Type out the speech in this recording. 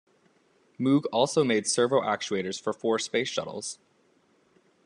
Moog also made servo-actuators for four Space Shuttles.